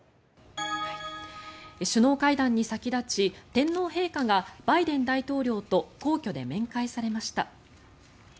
首脳会談に先立ち天皇陛下がバイデン大統領と皇居で面会されました。